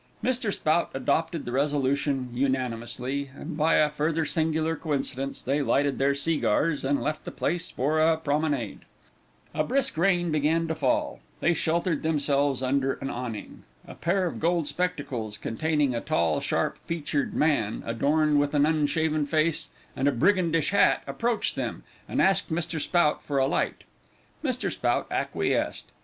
Mr. Spout adopted the resolution unanimously, and by a further singular coincidence, they lighted their segars, and left the place for a promenade. A brisk rain beginning to fall, they sheltered themselves under an awning. A pair of gold spectacles containing a tall, sharp featured man, adorned with an unshaven face and a brigandish hat, approached them, and asked Mr. Spout for a light. Mr. Spout acquiesced.